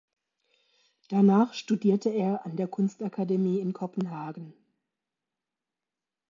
Danach studierte er an der Kunstakademie in Kopenhagen.